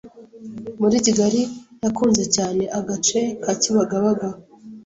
muri Kigali yakunze cyane agace ka Kibagabaga